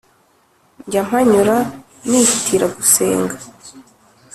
njya mpanyura nihitira gusenga